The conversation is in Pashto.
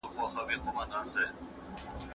د جرګي د وخت تنظیم څوک کوي؟